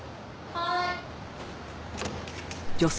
はい。